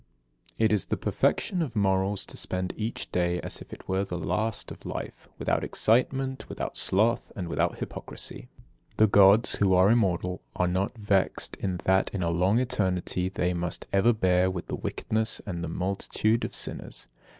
69. It is the perfection of morals to spend each day as if it were the last of life, without excitement, without sloth, and without hypocrisy. 70. The Gods, who are immortal, are not vexed that in a long eternity they must ever bear with the wickedness and the multitude of sinners.